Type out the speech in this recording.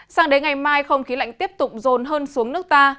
sang đến ngày mai không khí lạnh tiếp tục rồn hơn xuống nước ta